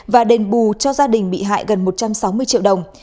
và đền bù cho gia đình bị hại gần một trăm sáu mươi triệu đồng